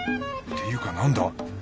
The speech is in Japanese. ていうか何だ？